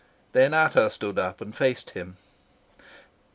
Then Ata stood up and faced him.